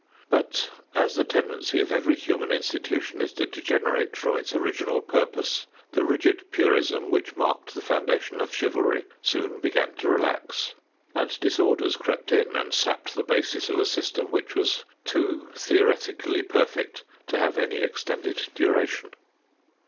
But as the tendency of every human institution is to degenerate from its original purpose, the rigid purism which marked the foundation of chivalry soon began to relax, and disorders crept in and sapped the basis of a system which was too theoretically perfect to have any extended duration.